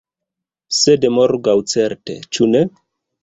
Sed morgaŭ certe, ĉu ne?